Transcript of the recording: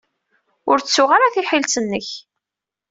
Ur ttuɣ ara tiḥilet-nnek.